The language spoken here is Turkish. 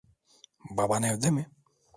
Baban evde mi?